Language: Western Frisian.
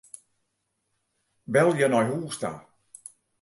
Belje nei hûs ta.